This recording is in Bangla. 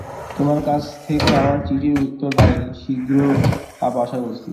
তোমার কাছ থেকে আমার চিঠির উত্তর পাইনি, শীঘ্র পাব আশা করছি।